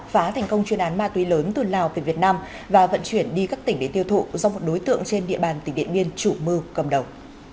phá thành công chuyên án ma túy lớn từ lào về việt nam và vận chuyển đi các tỉnh để tiêu thụ do một đối tượng trên địa bàn tỉnh điện biên chủ mưu cầm đầu